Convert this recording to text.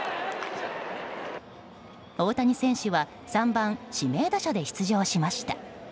大谷選手は３番指名打者で出場しました。